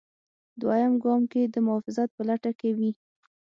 دویم ګام کې د محافظت په لټه کې وي.